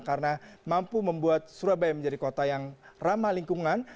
karena mampu membuat surabaya menjadi kota yang ramah lingkungan